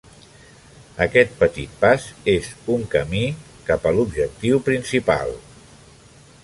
Aquest petit pas és un camí cap a l'objectiu principal.